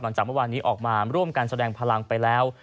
หลังจากเมื่อวานนี้ออกมาร่วมกันแสดงพลังไปแล้ว